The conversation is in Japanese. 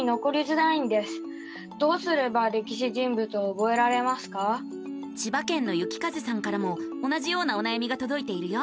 ぼくは千葉県のゆきかぜさんからも同じようなおなやみがとどいているよ。